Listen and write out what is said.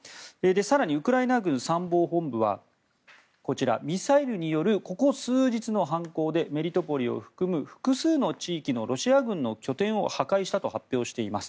更に、ウクライナ軍参謀本部はミサイルによる、ここ数日の反攻で、メリトポリを含む複数の地域のロシア軍の拠点を破壊したと発表しています。